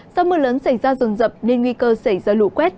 do mưa lớn xảy ra rồn rập nên nguy cơ xảy ra lũ quét